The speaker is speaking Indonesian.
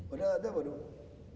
udah ada apa dong